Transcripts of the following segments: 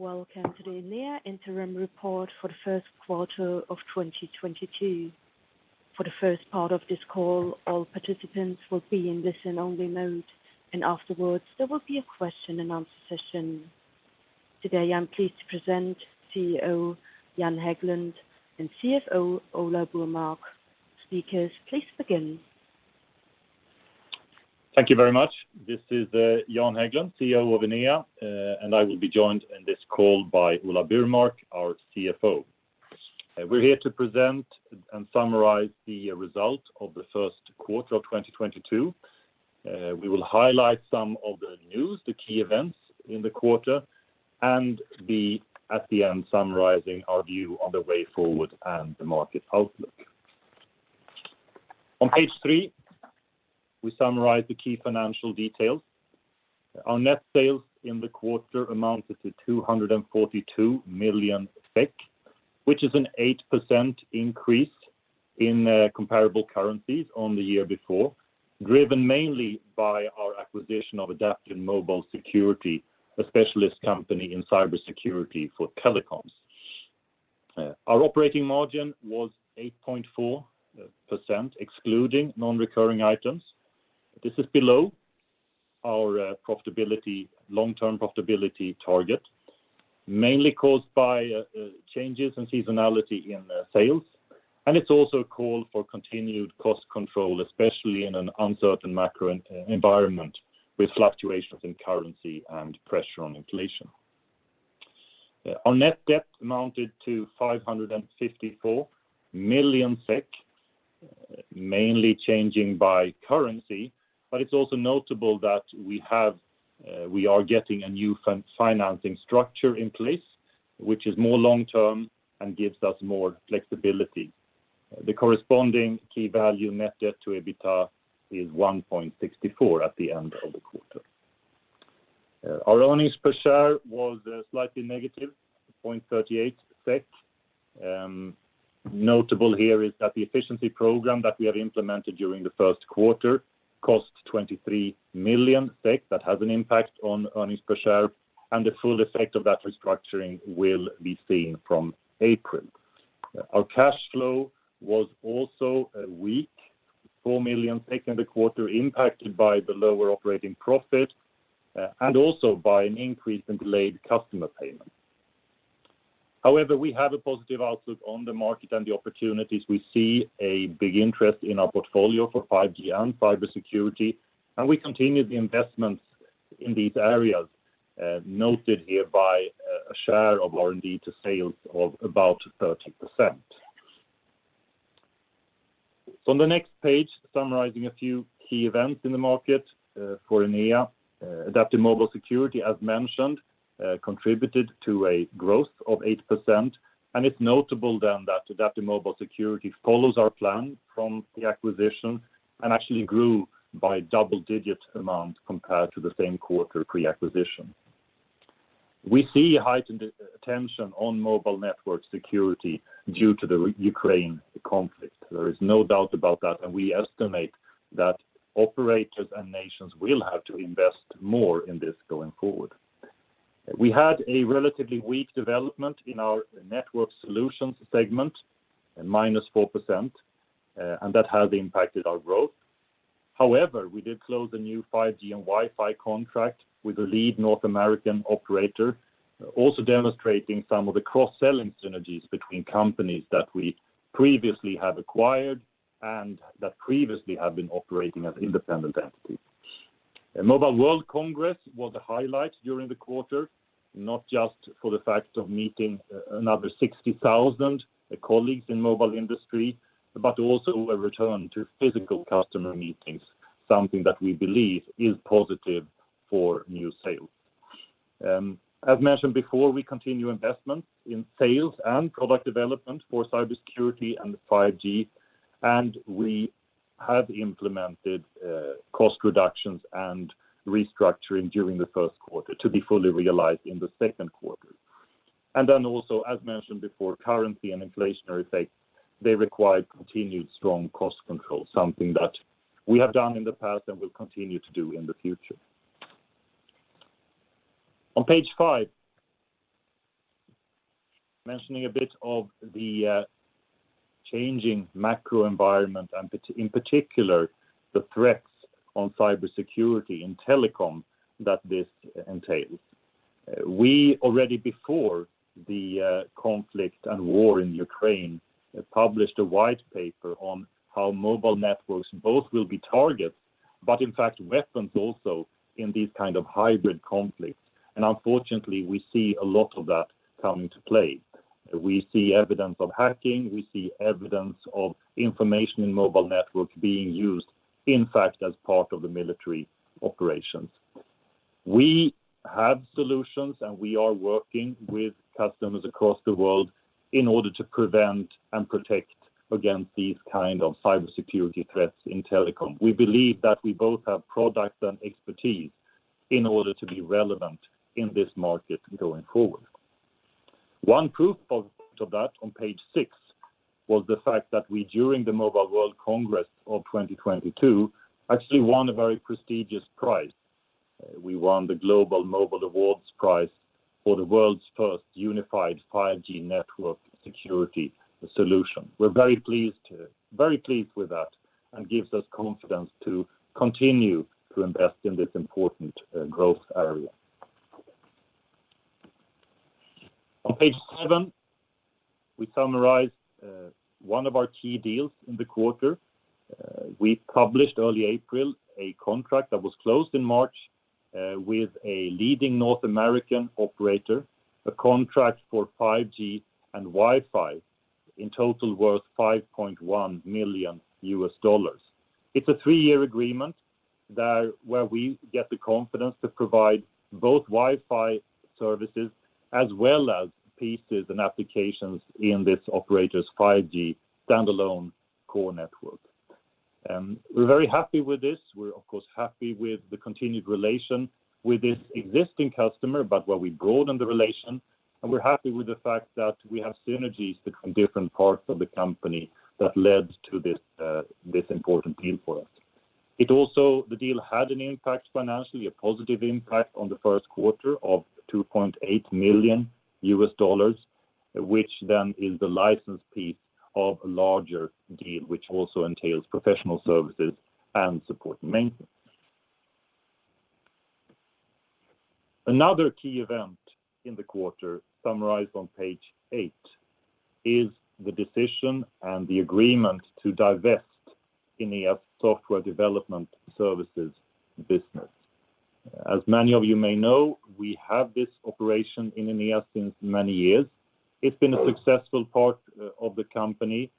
Welcome to the Enea Interim Report for the first quarter of 2022. For the first part of this call, all participants will be in listen-only mode, and afterwards, there will be a question-and-answer session. Today, I'm pleased to present CEO Jan Häglund and CFO Ola Burmark. Speakers, please begin. Thank you very much. This is Jan Häglund, CEO of Enea. And I will be joined in this call by Ola Burmark, our CFO. We're here to present and summarize the result of the first quarter of 2022. We will highlight some of the news, the key events in the quarter, and then at the end summarizing our view on the way forward and the market outlook. On page three, we summarize the key financial details. Our net sales in the quarter amounted to 242 million, which is an 8% increase in comparable currencies on the year before, driven mainly by our acquisition of AdaptiveMobile Security, a specialist company in cybersecurity for telecoms. Our operating margin was 8.4%, excluding non-recurring items. This is below our long-term profitability target, mainly caused by changes in seasonality in the sales, and it's also called for continued cost control, especially in an uncertain macro environment with fluctuations in currency and pressure on inflation. Our net debt amounted to 554 million SEK, mainly changing by currency, but it's also notable that we are getting a new financing structure in place, which is more long-term and gives us more flexibility. The corresponding key value Net Debt to EBITDA is 1.64 at the end of the quarter. Our Earnings Per Share was slightly -0.38 SEK. Notable here is that the efficiency program that we have implemented during the first quarter cost 23 million. That has an impact on Earnings Per Share, and the full effect of that restructuring will be seen from April. Our cash flow was also weak, 4 million in the quarter, impacted by the lower operating profit, and also by an increase in delayed customer payments. However, we have a positive outlook on the market and the opportunities. We see a big interest in our portfolio for 5G and cybersecurity, and we continue the investments in these areas, noted here by a share of R&D to sales of about 30%. On the next page, summarizing a few key events in the market for Enea. AdaptiveMobile Security, as mentioned, contributed to a growth of 8%, and it's notable then that AdaptiveMobile Security follows our plan from the acquisition and actually grew by double-digit amount compared to the same quarter pre-acquisition. We see heightened attention on mobile network security due to the Ukraine conflict. There is no doubt about that, and we estimate that operators and nations will have to invest more in this going forward. We had a relatively weak development in our Network Solutions segment, a -4%, and that has impacted our growth. However, we did close a new 5G and Wi-Fi contract with a leading North American operator, also demonstrating some of the cross-selling synergies between companies that we previously have acquired and that previously have been operating as independent entities. Mobile World Congress was a highlight during the quarter, not just for the fact of meeting another 60,000 colleagues in mobile industry, but also a return to physical customer meetings, something that we believe is positive for new sales. As mentioned before, we continue investment in sales and product development for cybersecurity and 5G, and we have implemented cost reductions and restructuring during the first quarter to be fully realized in the second quarter. As mentioned before, currency and inflationary effects, they require continued strong cost control, something that we have done in the past and will continue to do in the future. On page five, mentioning a bit of the changing macro environment and in particular, the threats on cybersecurity in telecom that this entails. We already before the conflict and war in Ukraine published a white paper on how mobile networks both will be targets, but in fact, weapons also in these kind of hybrid conflicts. Unfortunately, we see a lot of that come into play. We see evidence of hacking. We see evidence of information in mobile networks being used, in fact, as part of the military operations. We have solutions, and we are working with customers across the world in order to prevent and protect against these kind of cybersecurity threats in telecom. We believe that we both have product and expertise in order to be relevant in this market going forward. One proof of that on page six was the fact that we during the Mobile World Congress of 2022 actually won a very prestigious prize. We won the Global Mobile Awards prize for the world's first unified 5G network security solution. We're very pleased with that, and gives us confidence to continue to invest in this important growth area. On page seven, we summarize one of our key deals in the quarter. We published early April a contract that was closed in March with a leading North American operator, a contract for 5G and Wi-Fi in total worth $5.1 million. It's a three-year agreement where we get the confidence to provide both Wi-Fi services as well as PCS and applications in this operator's 5G standalone core network. We're very happy with this. We're of course happy with the continued relation with this existing customer, but where we broaden the relation, and we're happy with the fact that we have synergies between different parts of the company that led to this important deal for us. The deal also had an impact financially, a positive impact on the first quarter of $2.8 million, which then is the license piece of a larger deal which also entails professional services and support and maintenance. Another key event in the quarter summarized on page eight is the decision and the agreement to divest Enea's Software Development Services business. As many of you may know, we have this operation in Enea since many years. It's been a successful part of the company,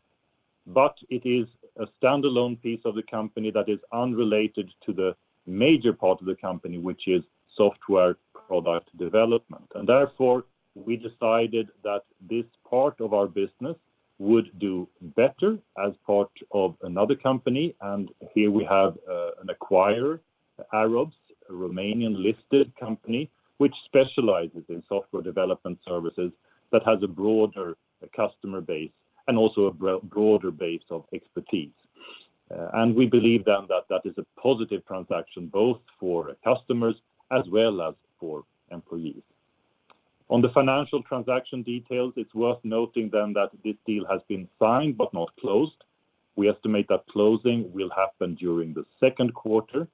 but it is a standalone piece of the company that is unrelated to the major part of the company, which is software product development. Therefore, we decided that this part of our business would do better as part of another company, and here we have an acquirer, AROBS, a Romanian-listed company which specializes in Software Development Services that has a broader customer base and also a broader base of expertise. We believe then that that is a positive transaction both for customers as well as for employees. On the financial transaction details, it's worth noting then that this deal has been signed but not closed. We estimate that closing will happen during the second quarter,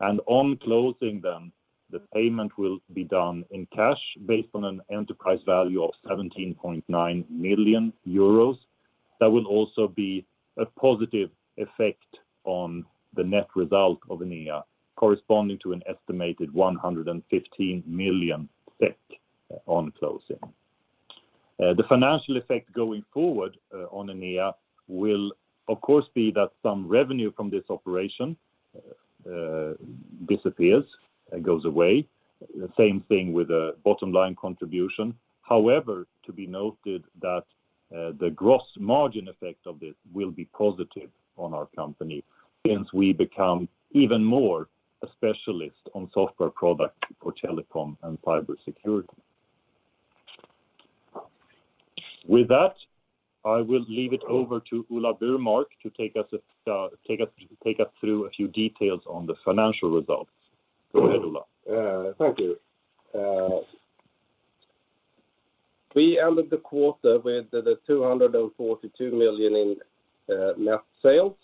and on closing then the payment will be done in cash based on an enterprise value of 17.9 million euros. That will also be a positive effect on the net result of Enea corresponding to an estimated 115 million SEK on closing. The financial effect going forward on Enea will of course be that some revenue from this operation disappears, goes away. The same thing with the bottom line contribution. However, to be noted that the gross margin effect of this will be positive on our company since we become even more a specialist on software product for telecom and cybersecurity. With that, I will hand it over to Ola Burmark to take us through a few details on the financial results. Go ahead, Ola. Thank you. We ended the quarter with 242 million in net sales,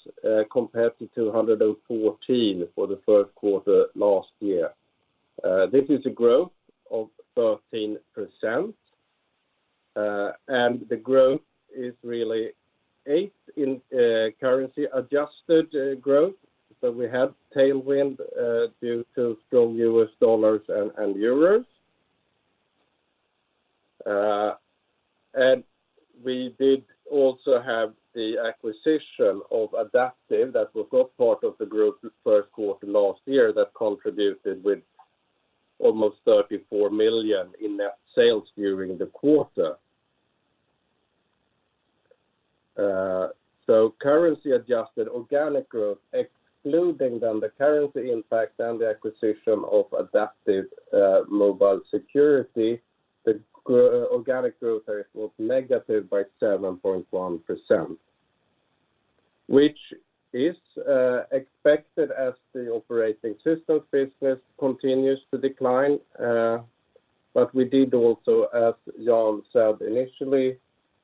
compared to 214 million for the first quarter last year. This is a growth of 13%, and the growth is really 8% in currency adjusted growth, so we had tailwind due to strong U.S. dollars and euros. We did also have the acquisition of AdaptiveMobile Security that was not part of the growth the first quarter last year that contributed with almost 34 million in net sales during the quarter. Currency adjusted organic growth excluding then the currency impact and the acquisition of AdaptiveMobile Security, the organic growth rate was -7.1%, which is expected as the operating system business continues to decline. We did also, as Jan said initially,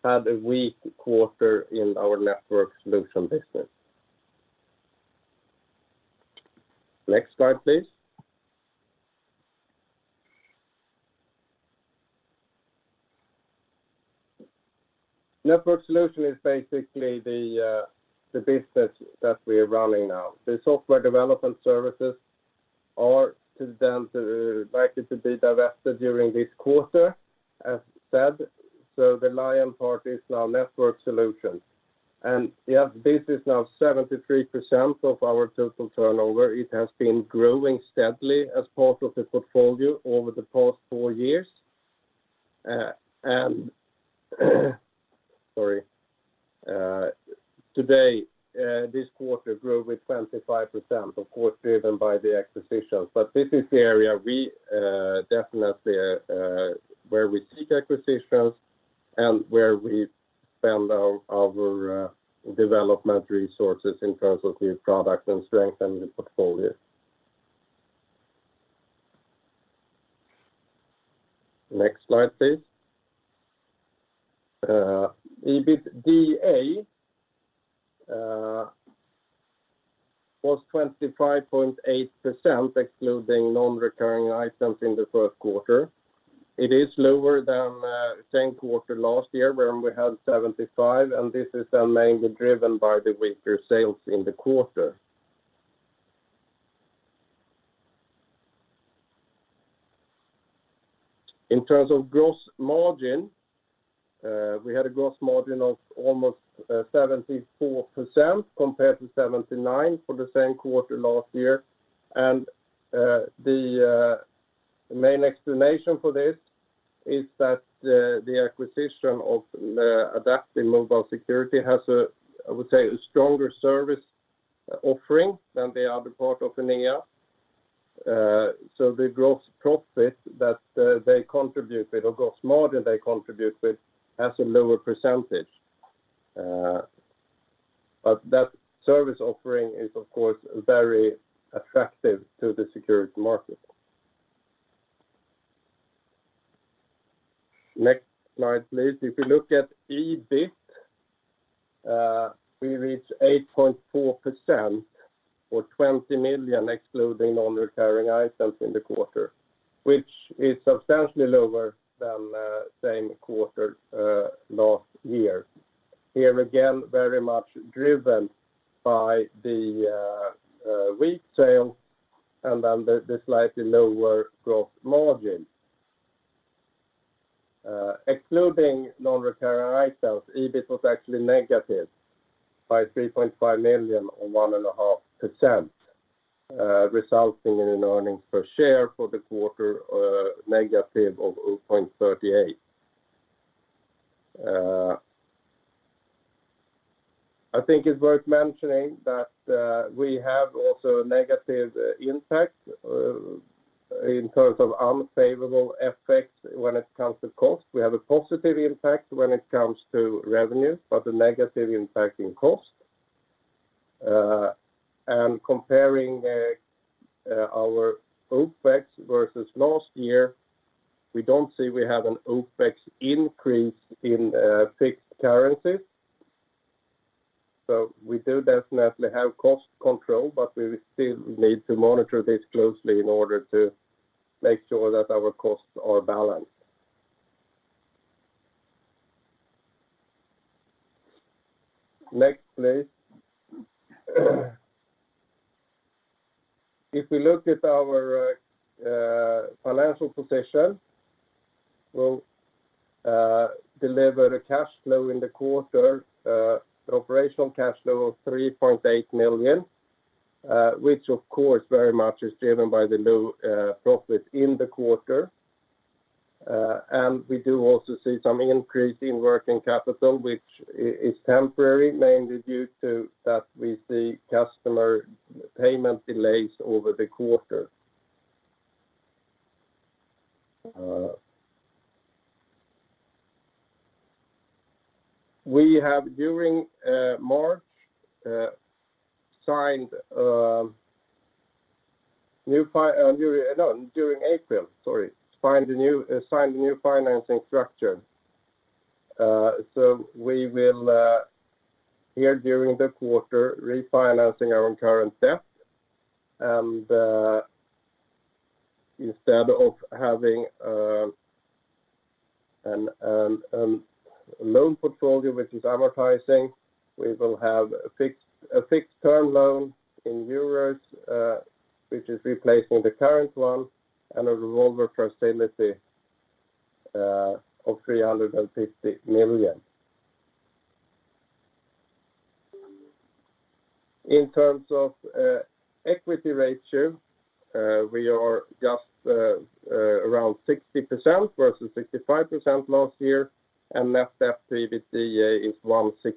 had a weak quarter in our Network Solutions business. Next slide, please. Network Solutions is basically the business that we're running now. The Software Development Services are likely to be divested during this quarter, as said, so the lion part is now Network Solutions. Yeah, this is now 73% of our total turnover. It has been growing steadily as part of the portfolio over the past four years. Sorry. So, this quarter grew with 25%, of course, driven by the acquisitions. This is the area we definitely where we seek acquisitions and where we spend our development resources in terms of new products and strengthening the portfolio. Next slide, please. EBITDA was 25.8%, excluding non-recurring items in the first quarter. It is lower than the same quarter last year when we had 75%, and this is mainly driven by the weaker sales in the quarter. In terms of gross margin, we had a gross margin of almost 74% compared to 79% for the same quarter last year. The main explanation for this is that the acquisition of the AdaptiveMobile Security has a stronger service offering than the other part of Enea. So the gross profit that they contribute with or gross margin they contribute with has a lower percentage. But that service offering is of course very attractive to the security market. Next slide, please. If you look at EBIT, we reached 8.4% or 20 million excluding non-recurring items in the quarter, which is substantially lower than same quarter last year. Here again, very much driven by the weak sales and then the slightly lower gross margin. Excluding non-recurring items, EBIT was actually SEK -3.5 million or 1.5%, resulting in an Earnings Per Share for the quarter SEK -0.38. I think it's worth mentioning that we have also a negative impact in terms of unfavorable effects when it comes to costs. We have a positive impact when it comes to revenue, but a negative impact in costs. Comparing our OpEx versus last year, we don't see we have an OpEx increase in fixed currencies. We do definitely have cost control, but we still need to monitor this closely in order to make sure that our costs are balanced. Next, please. If we look at our financial position, we'll deliver a cash flow in the quarter, operational cash flow of 3.8 million, which of course very much is driven by the low profit in the quarter. We do also see some increase in working capital, which is temporary, mainly due to that we see customer payment delays over the quarter. We have during April signed a new financing structure. We will here during the quarter refinancing our own current debt. Instead of having a revolving loan portfolio, we will have a fixed term loan in euros, which is replacing the current one and a revolver facility of EUR 350 million. In terms of equity ratio, we are just around 60% versus 65% last year, and Net Debt to EBITDA is 1.64.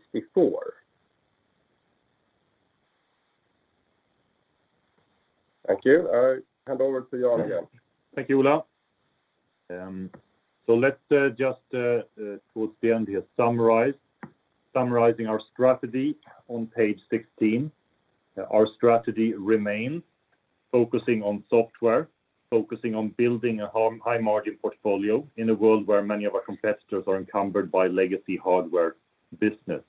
Thank you. I hand over to Jan again. Thank you, Ola. So let's just towards the end here summarize our strategy on page 16. Our strategy remains focusing on software, focusing on building a high margin portfolio in a world where many of our competitors are encumbered by legacy hardware business.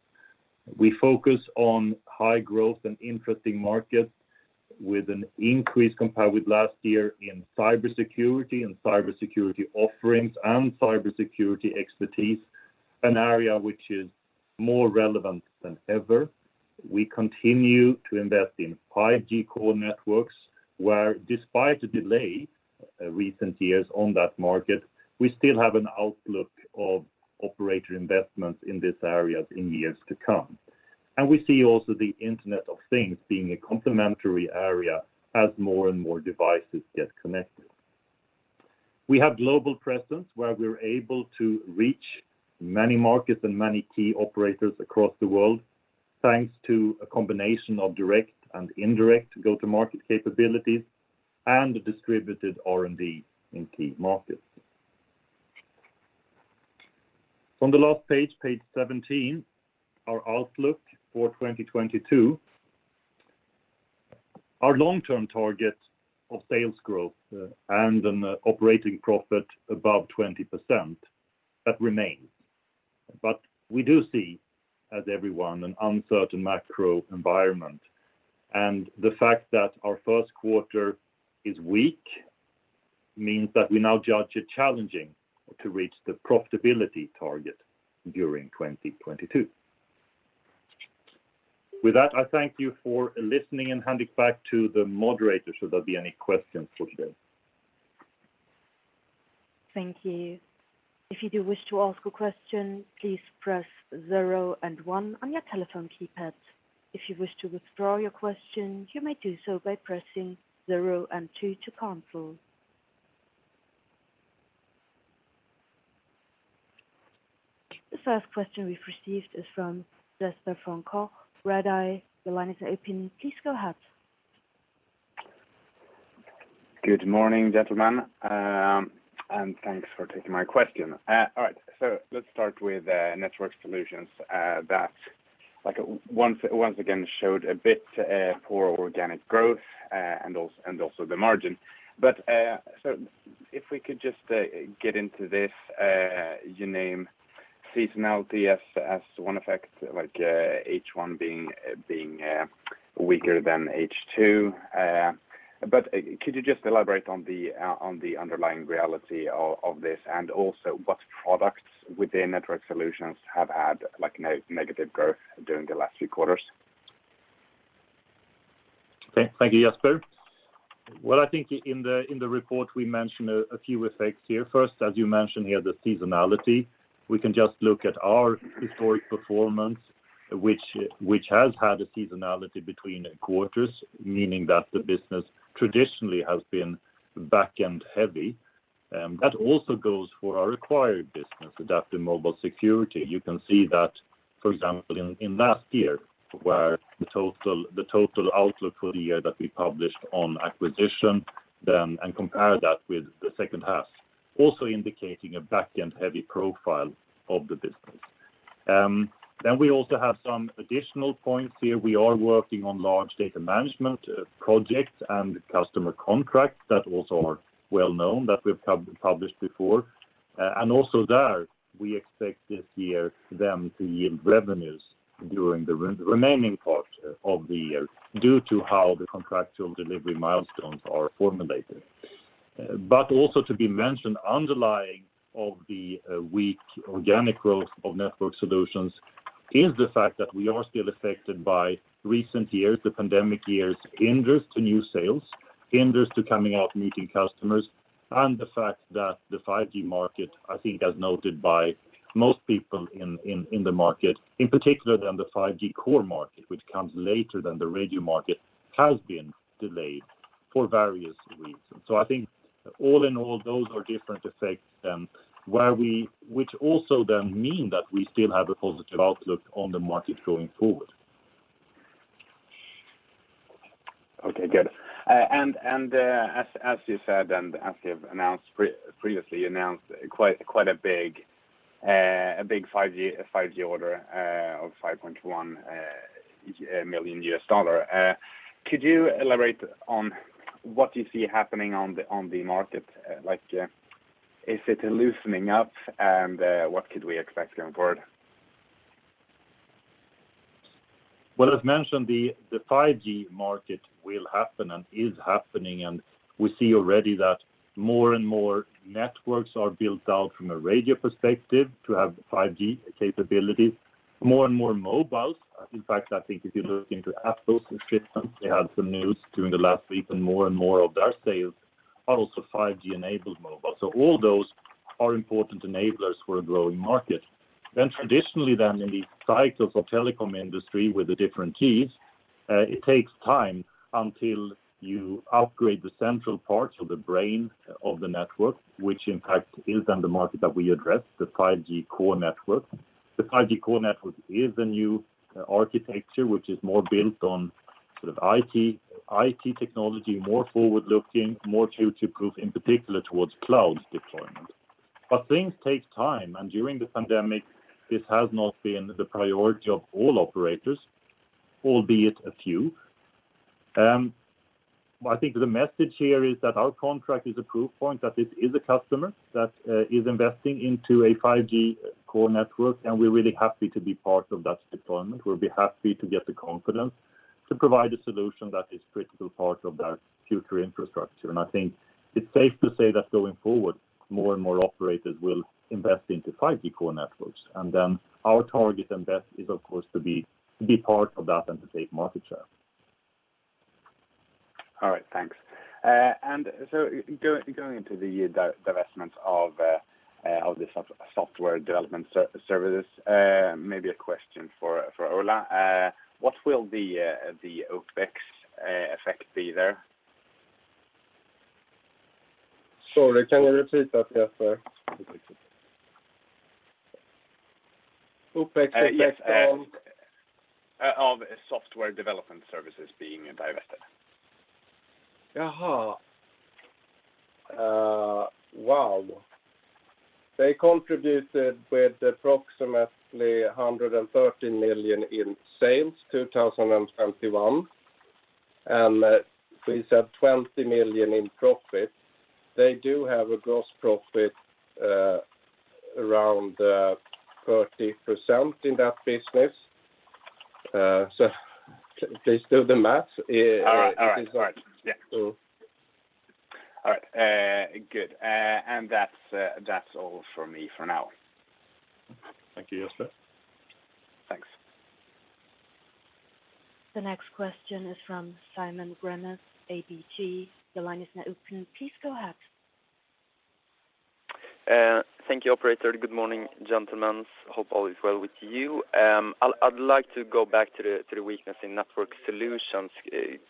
We focus on high growth and interesting markets with an increase compared with last year in cybersecurity offerings and expertise, an area which is more relevant than ever. We continue to invest in 5G Core Networks, where despite the delay recent years on that market, we still have an outlook of operator investments in these areas in years to come. We see also the Internet of Things being a complementary area as more and more devices get connected. We have global presence where we're able to reach many markets and many key operators across the world, thanks to a combination of direct and indirect go-to-market capabilities and distributed R&D in key markets. On the last page 17, our outlook for 2022. Our long-term target of sales growth and an operating profit above 20%, that remains. But we do see, as everyone, an uncertain macro environment. The fact that our first quarter is weak means that we now judge it challenging to reach the profitability target during 2022. With that, I thank you for listening and hand it back to the moderator should there be any questions for today. Thank you. If you do wish to ask a question, please press zero and one on your telephone keypad. If you wish to withdraw your question, you may do so by pressing zero and two to cancel. The first question we've received is from Jesper von Koch, Redeye. The line is open. Please go ahead. Good morning, gentlemen, and thanks for taking my question. All right. Let's start with Network Solutions that like once again showed a bit poor organic growth and also the margin. If we could just get into this, you name seasonality as one effect, like H1 being weaker than H2. Could you just elaborate on the underlying reality of this, and also what products within Network Solutions have had like negative growth during the last few quarters? Okay. Thank you, Jesper. Well, I think in the report, we mentioned a few effects here. First, as you mentioned here, the seasonality. We can just look at our historic performance which has had a seasonality between quarters, meaning that the business traditionally has been back-end heavy. That also goes for our acquired business, AdaptiveMobile Security. You can see that, for example, in last year where the total outlook for the year that we published on acquisition then, and compare that with the second half, also indicating a back-end heavy profile of the business. Then we also have some additional points here. We are working on large data management projects and customer contracts that also are well known, that we've published before. Also there, we expect this year them to yield revenues during the remaining part of the year due to how the contractual delivery milestones are formulated. Also to be mentioned, underlying the weak organic growth of Network Solutions is the fact that we are still affected by recent years, the pandemic years, hindrances to new sales, coming out, meeting customers, and the fact that the 5G market, I think as noted by most people in the market, in particular the 5G core market, which comes later than the radio market, has been delayed for various reasons. I think all in all, those are different effects, which also then mean that we still have a positive outlook on the market going forward. Okay, good. As you said, and as you've announced previously, quite a big 5G order of $5.1 million. Could you elaborate on what you see happening on the market? Like, is it loosening up, and what could we expect going forward? Well, as mentioned, the 5G market will happen and is happening, and we see already that more and more networks are built out from a radio perspective to have 5G capabilities. More and more mobiles. In fact, I think if you look into Apple's system, they had some news during the last week, and more and more of their sales are also 5G-enabled mobile. All those are important enablers for a growing market. Traditionally in the cycles of telecom industry with the different tiers, it takes time until you upgrade the central parts of the brain of the network, which in fact is then the market that we address, the 5G Core Network. The 5G Core Network is a new architecture which is more built on sort of IT technology, more forward-looking, more future-proof, in particular towards cloud deployment. Things take time, and during the pandemic, this has not been the priority of all operators, albeit a few. I think the message here is that our contract is a proof point that it is a customer that is investing into a 5G Core Network, and we're really happy to be part of that deployment. We'll be happy to get the confidence to provide a solution that is critical part of that future infrastructure. I think it's safe to say that going forward, more and more operators will invest into 5G Core Networks. Our target and bet is of course to be part of that and to take market share. All right. Thanks. Going into the divestment of the Software Development Services, maybe a question for Ola. What will the OpEx effect be there? Sorry, can you repeat that, Jesper? OpEx effect on. Of Software Development Services being divested. Jaha. Wow. They contributed with approximately 130 million in sales 2021, and we said 20 million in profit. They do have a gross margin around 30% in that business. Please do the math. All right. Yeah. So... All right. Good. That's all from me for now. Thank you, Jesper. Thanks. The next question is from Simon Granath, ABG. The line is now open. Please go ahead. Thank you, operator. Good morning, gentlemen. Hope all is well with you. I'd like to go back to the weakness in Network Solutions.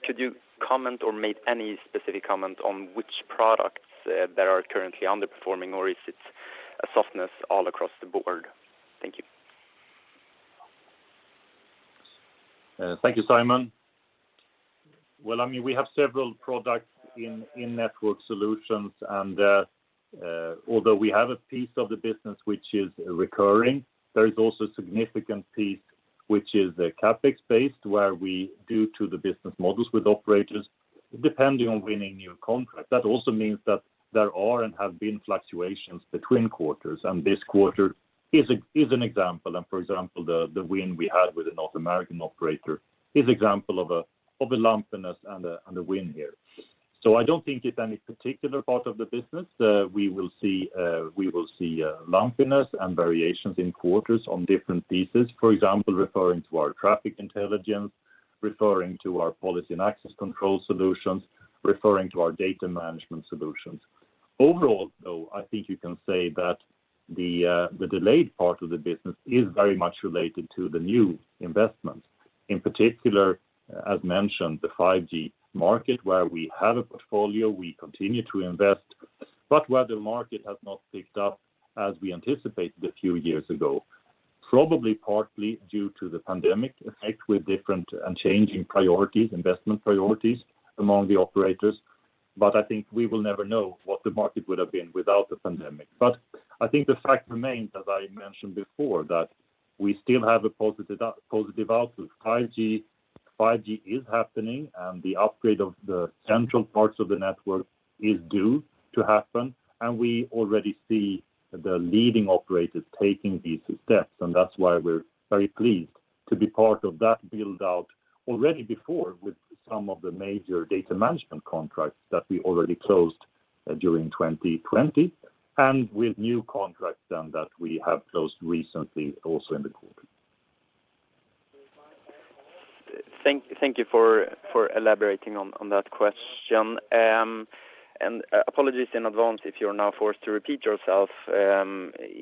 Could you comment or make any specific comment on which products that are currently underperforming, or is it a softness all across the board? Thank you. Thank you, Simon. Well, I mean, we have several products in Network Solutions, and although we have a piece of the business which is recurring, there is also a significant piece which is CapEx based, where due to the business models with operators depending on winning new contracts. That also means that there are and have been fluctuations between quarters, and this quarter is an example. For example, the win we had with a North American operator is an example of a lumpiness and a win here. I don't think it's any particular part of the business. We will see lumpiness and variations in quarters on different pieces. For example, referring to our traffic intelligence, referring to our Policy and Access Control solutions, referring to our data management solutions. Overall, though, I think you can say that the delayed part of the business is very much related to the new investments. In particular, as mentioned, the 5G market where we have a portfolio, we continue to invest, but where the market has not picked up as we anticipated a few years ago, probably partly due to the pandemic effect with different and changing priorities, investment priorities among the operators. I think we will never know what the market would have been without the pandemic. I think the fact remains, as I mentioned before, that we still have a positive output. 5G is happening and the upgrade of the central parts of the network is due to happen, and we already see the leading operators taking these steps. That's why we're very pleased to be part of that build-out already before with some of the major data management contracts that we already closed, during 2020 and with new contracts then that we have closed recently also in the quarter. Thank you for elaborating on that question. Apologies in advance if you're now forced to repeat yourself. The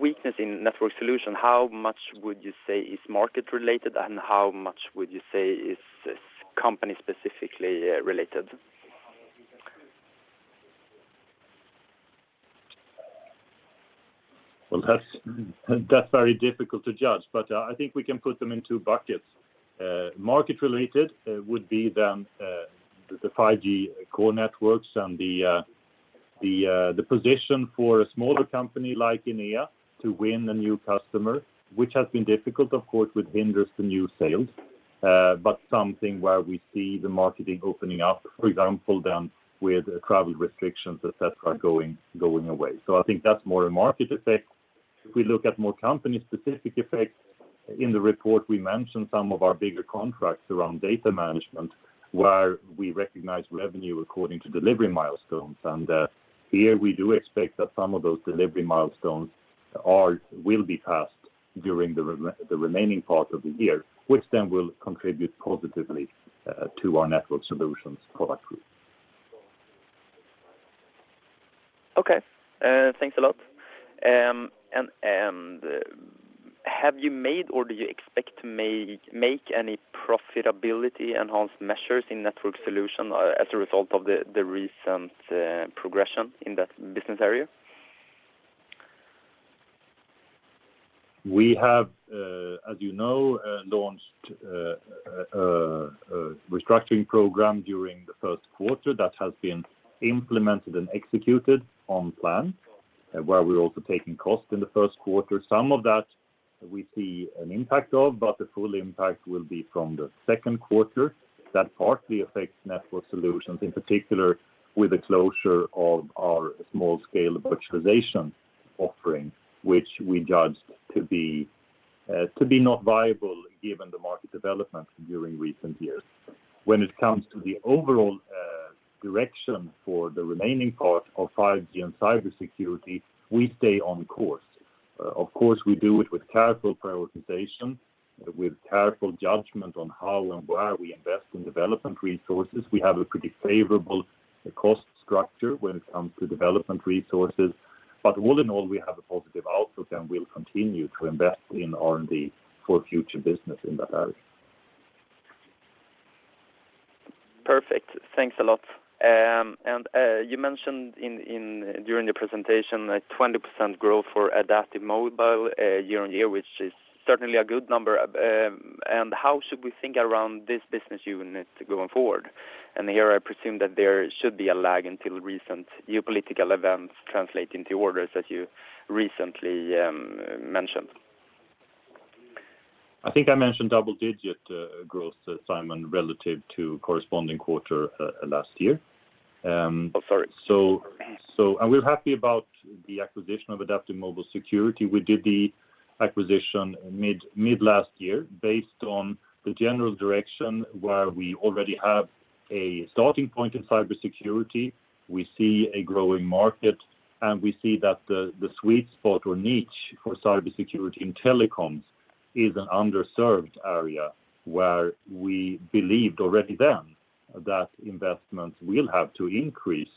weakness in Network Solutions, how much would you say is market related and how much would you say is company specifically related? Well, that's very difficult to judge, but I think we can put them in two buckets. Market related would be the 5G Core Networks and the position for a smaller company like Enea to win a new customer, which has been difficult, of course, which hinders the new sales. Something where we see the market opening up, for example, with travel restrictions, et cetera, going away. I think that's more a market effect. If we look at more company specific effects, in the report, we mentioned some of our bigger contracts around data management, where we recognize revenue according to delivery milestones. Here we do expect that some of those delivery milestones will be passed during the remaining part of the year, which then will contribute positively to our Network Solutions product group. Okay. Thanks a lot. Have you made or do you expect to make any profitability enhanced measures in Network Solutions as a result of the recent progression in that business area? We have, as you know, a restructuring program during the first quarter that has been implemented and executed on plan, where we're also taking cost in the first quarter. Some of that we see an impact of, but the full impact will be from the second quarter. That partly affects Network Solutions, in particular with the closure of our small scale virtualization offering, which we judged to be not viable given the market development during recent years. When it comes to the overall direction for the remaining part of 5G and cybersecurity, we stay on course. Of course, we do it with careful prioritization, with careful judgment on how and where we invest in development resources. We have a pretty favorable cost structure when it comes to development resources. All in all, we have a positive outlook, and we'll continue to invest in R&D for future business in that area. Perfect. Thanks a lot. You mentioned during the presentation 20% growth for AdaptiveMobile Security year-on-year, which is certainly a good number. How should we think around this business unit going forward? Here I presume that there should be a lag until recent geopolitical events translate into orders that you recently mentioned. I think I mentioned double-digit growth, Simon, relative to corresponding quarter last year. Oh, sorry. We're happy about the acquisition of AdaptiveMobile Security. We did the acquisition mid last year based on the general direction where we already have a starting point in cybersecurity. We see a growing market, and we see that the sweet spot or niche for cybersecurity in telecoms is an underserved area where we believed already then that investments will have to increase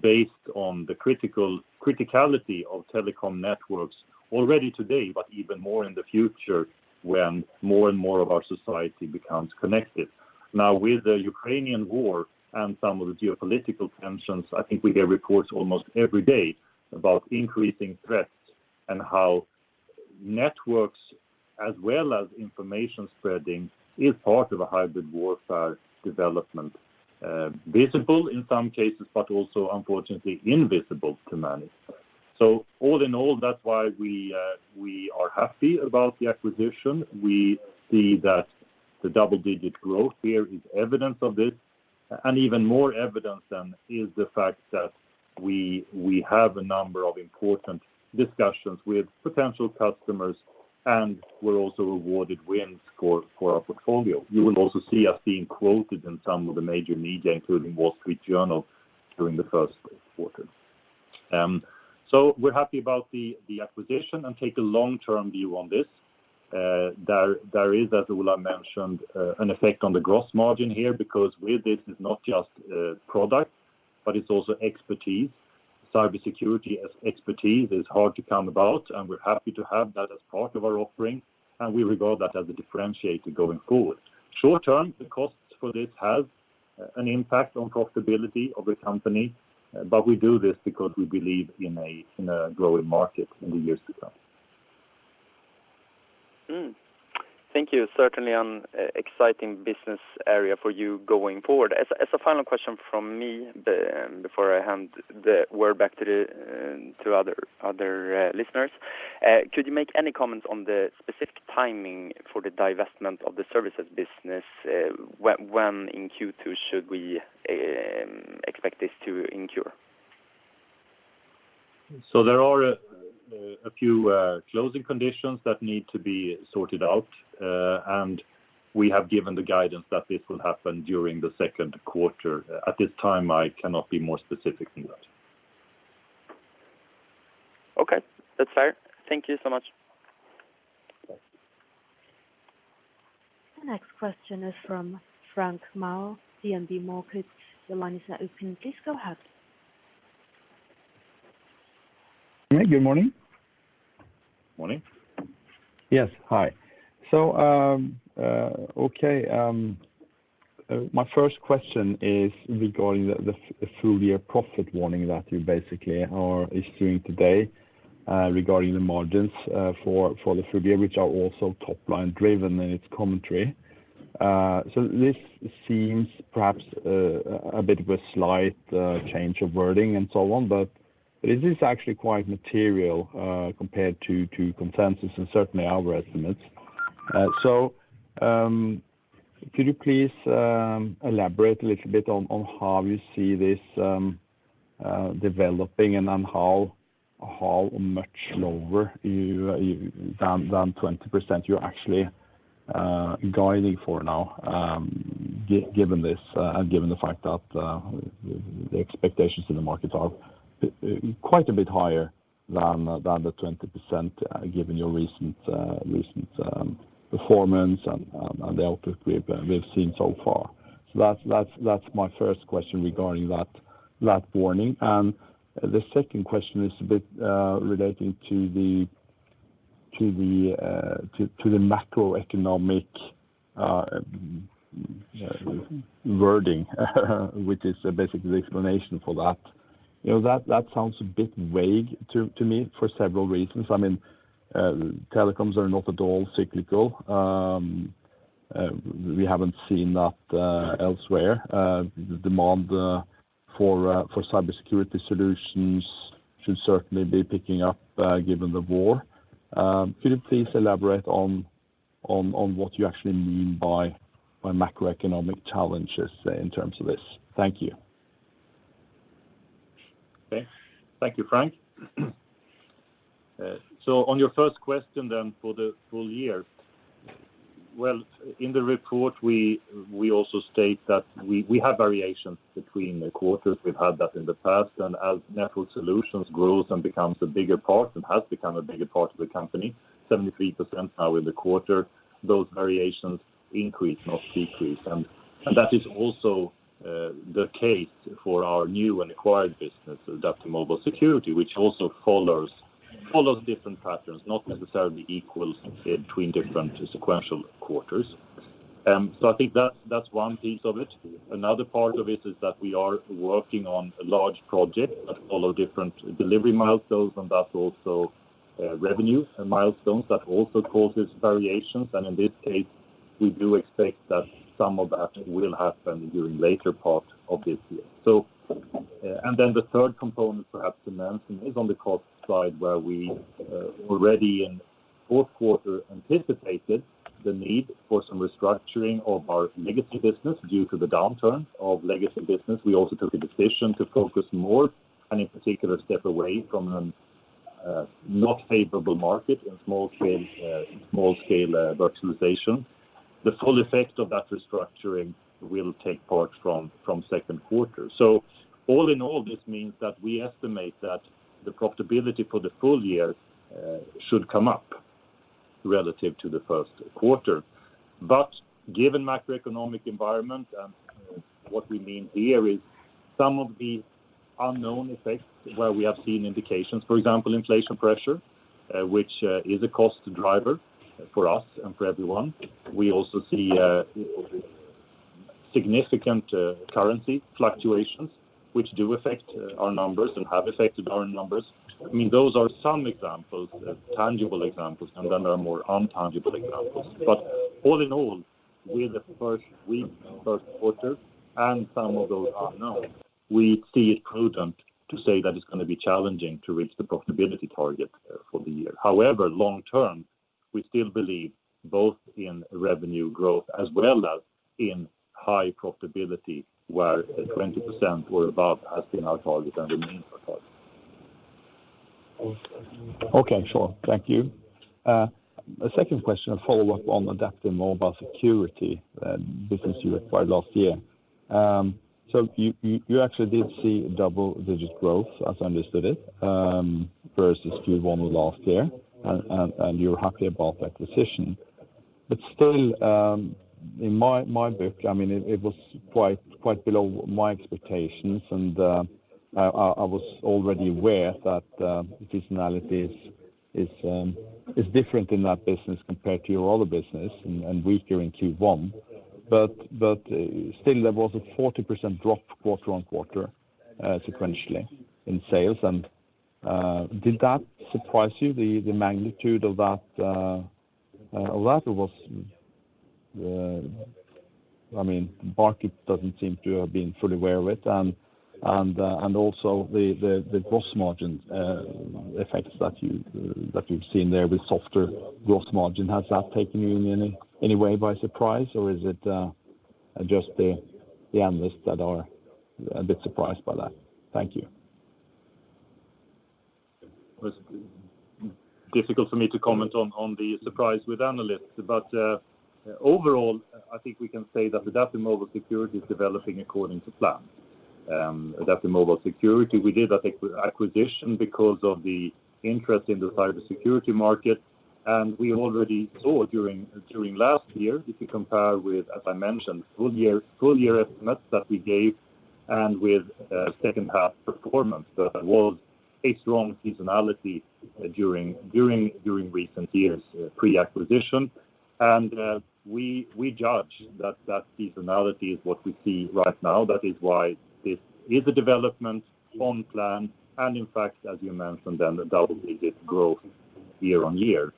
based on the criticality of telecom networks already today, but even more in the future when more and more of our society becomes connected. Now, with the Ukrainian war and some of the geopolitical tensions, I think we hear reports almost every day about increasing threats and how networks as well as information spreading is part of a hybrid warfare development, visible in some cases, but also unfortunately invisible to many. All in all, that's why we are happy about the acquisition. We see that the double-digit growth here is evidence of this. Even more evidence then is the fact that we have a number of important discussions with potential customers, and we're also awarded wins for our portfolio. You will also see us being quoted in some of the major media, including Wall Street Journal, during the first quarter. We're happy about the acquisition and take a long-term view on this. There is, as Ola mentioned, an effect on the gross margin here because with this, it's not just product, but it's also expertise. Cybersecurity as expertise is hard to come about, and we're happy to have that as part of our offering, and we regard that as a differentiator going forward. Short term, the costs for this have an impact on profitability of the company. We do this because we believe in a growing market in the years to come. Thank you. Certainly an exciting business area for you going forward. As a final question from me before I hand the word back to the other listeners, could you make any comments on the specific timing for the divestment of the services business? When in Q2 should we expect this to occur? There are a few closing conditions that need to be sorted out. We have given the guidance that this will happen during the second quarter. At this time, I cannot be more specific than that. Okay. That's fair. Thank you so much. Thanks. The next question is from Frank Maaø, DNB Markets. Your line is now open. Please go ahead. Yeah. Good morning. Morning. Yes. Hi. My first question is regarding the full year profit warning that you basically are issuing today, regarding the margins for the full year, which are also top-line driven in its commentary. This seems perhaps a bit of a slight change of wording and so on, but is this actually quite material compared to consensus and certainly our estimates? Could you please elaborate a little bit on how you see this developing and on how much lower you down 20% you're actually guiding for now, given this, and given the fact that the expectations in the markets are quite a bit higher than the 20%, given your recent performance and the output we've seen so far. That's my first question regarding that warning. The second question is a bit relating to the macroeconomic wording which is basically the explanation for that. You know, that sounds a bit vague to me for several reasons. I mean, telecoms are not at all cyclical. We haven't seen that elsewhere. The demand for cybersecurity solutions should certainly be picking up given the war. Could you please elaborate on what you actually mean by macroeconomic challenges in terms of this? Thank you. Okay. Thank you, Frank. On your first question then for the full year. In the report we also state that we have variations between the quarters. We've had that in the past. As Network Solutions grows and becomes a bigger part of the company, 73% now in the quarter, those variations increase, not decrease. That is also the case for our new and acquired business, AdaptiveMobile Security, which also follows all those different patterns, not necessarily equal between different sequential quarters. I think that's one piece of it. Another part of it is that we are working on a large project that follow different delivery milestones, and that's also revenue and milestones that also causes variations. In this case, we do expect that some of that will happen during later part of this year. Then the third component perhaps to mention is on the cost side where we already in fourth quarter anticipated the need for some restructuring of our legacy business due to the downturn of legacy business. We also took a decision to focus more and in particular step away from a not favorable market in small scale virtualization. The full effect of that restructuring will take part from second quarter. All in all, this means that we estimate that the profitability for the full year should come up relative to the first quarter. Given macroeconomic environment and what we mean here is some of the unknown effects where we have seen indications. For example, inflation pressure, which is a cost driver for us and for everyone. We also see significant currency fluctuations, which do affect our numbers and have affected our numbers. I mean, those are some examples, tangible examples, and then there are more intangible examples. All in all, with the first week, first quarter and some of those unknowns, we see it prudent to say that it's gonna be challenging to reach the profitability target for the year. However, long term, we still believe both in revenue growth as well as in high profitability, where 20% or above has been our target and remains our target. Okay. Sure. Thank you. A second question, a follow-up on AdaptiveMobile Security business you acquired last year. So you actually did see double-digit growth, as I understood it, versus Q1 last year. You're happy about that acquisition. Still, in my book, I mean, it was quite below my expectations and I was already aware that seasonality is different in that business compared to your other business and weaker in Q1. Still there was a 40% drop quarter-on-quarter, sequentially in sales. Did that surprise you? The magnitude of that was, I mean, market doesn't seem to have been fully aware of and also the gross margin effects that we've seen there with softer gross margin. Has that taken you in any way by surprise, or is it just the analysts that are a bit surprised by that? Thank you. It's difficult for me to comment on the surprise with analysts. Overall, I think we can say that AdaptiveMobile Security is developing according to plan. AdaptiveMobile Security, we did I think acquisition because of the interest in the cybersecurity market. We already saw during last year, if you compare with, as I mentioned, full year estimates that we gave and with, second half performance, there was a strong seasonality during recent years, pre-acquisition. We judge that seasonality is what we see right now. That is why this is a development on plan. In fact, as you mentioned, and the double-digit growth year-on-year.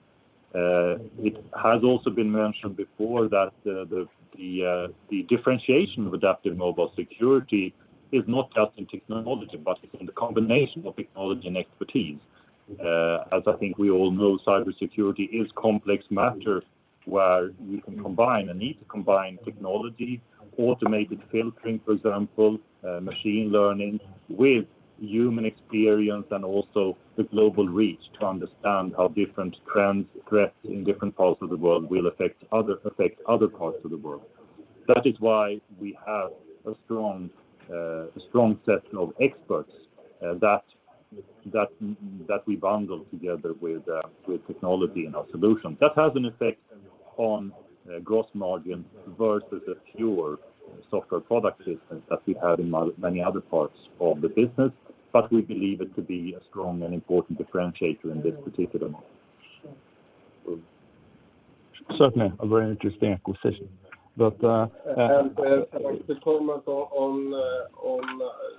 It has also been mentioned before that the differentiation of AdaptiveMobile Security is not just in technology, but it's in the combination of technology and expertise. As I think we all know, cybersecurity is complex matter where we can combine and need to combine technology, automated filtering, for example, machine learning with human experience and also the global reach to understand how different trends, threats in different parts of the world will affect other parts of the world. That is why we have a strong set of experts that we bundle together with technology and our solution. That has an effect on gross margin versus a pure software product business that we have in many other parts of the business, but we believe it to be a strong and important differentiator in this particular market. Certainly a very interesting acquisition. To comment on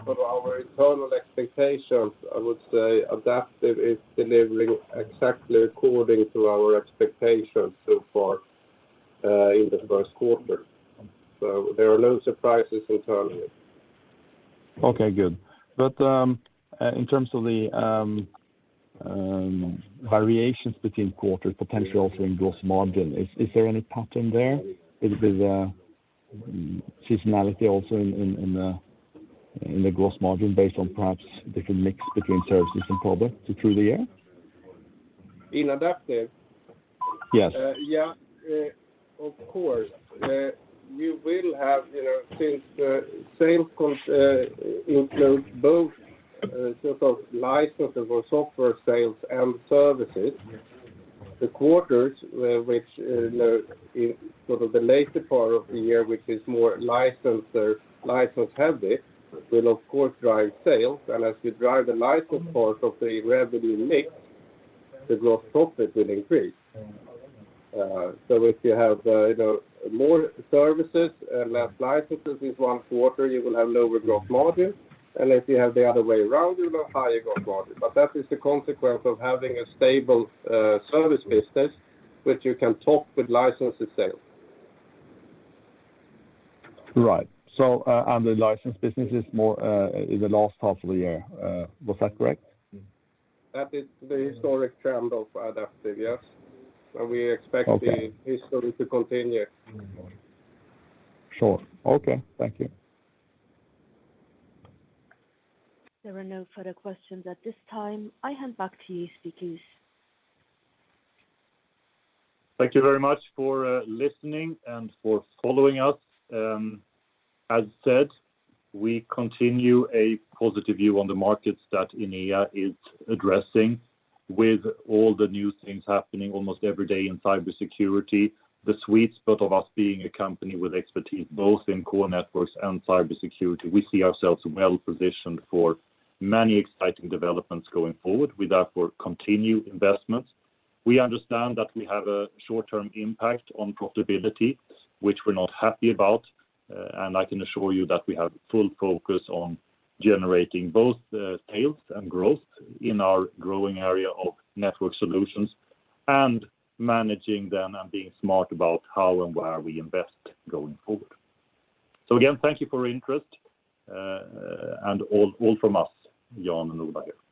our internal expectations, I would say Adaptive is delivering exactly according to our expectations so far, in the first quarter. There are no surprises internally. Okay, good. In terms of the variations between quarters, potentially also in gross margin, is there any pattern there? Is there seasonality also in the gross margin based on perhaps different mix between services and products through the year? In Adaptive? Yes. Yeah, of course. You will have, you know, since sales include both, sort of licensable software sales and services. The quarters, you know, in sort of the later part of the year, which is more licensed or license-heavy, will of course drive sales. As you drive the license part of the revenue mix, the gross profit will increase. If you have, you know, more services and less licenses in one quarter, you will have lower gross margin. If you have the other way around, you'll have higher gross margin. That is the consequence of having a stable, service business, which you can top with licenses sales. Right. The license business is more in the last half of the year. Was that correct? That is the historic trend of Adaptive, yes. We expect the history to continue. Sure. Okay. Thank you. There are no further questions at this time. I hand back to you, speakers. Thank you very much for listening and for following us. As said, we continue a positive view on the markets that Enea is addressing with all the new things happening almost every day in cybersecurity. The sweet spot of us being a company with expertise both in core networks and cybersecurity, we see ourselves well-positioned for many exciting developments going forward with, therefore, continued investments. We understand that we have a short-term impact on profitability, which we're not happy about, and I can assure you that we have full focus on generating both sales and growth in our growing area of Network Solutions and managing them and being smart about how and where we invest going forward. Again, thank you for your interest, and all from us, Jan and Ola here.